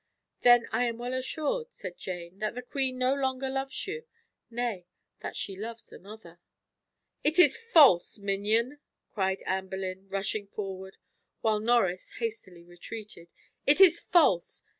"Then I am well assured," said Jane, "that the queen no longer loves you; nay, that she loves another." "It is false, minion!" cried Anne Boleyn, rushing forward, while Norris hastily retreated, "it is false!